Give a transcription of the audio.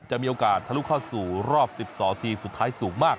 จะมีโอกาสทะลุเข้าสู่รอบ๑๒ทีมสุดท้ายสูงมาก